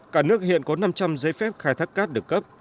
cả nước hiện có năm trăm linh giấy phép khai thác cát được cấp